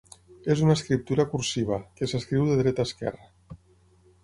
És una escriptura cursiva, que s'escriu de dreta a esquerra.